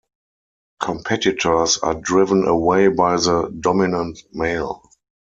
Competitors are driven away by the dominant male.